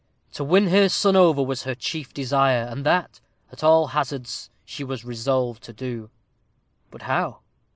To win her son over was her chief desire, and that, at all hazards, she was resolved to do. But how?